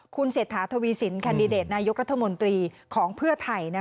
คุณเศรษฐาทวีสินแคนดิเดตนายกรัฐมนตรีของเพื่อไทย